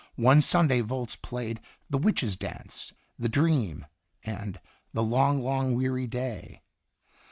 One Sunday Volz played the "Witches Dance," the "Dream," and " The long, long weary day."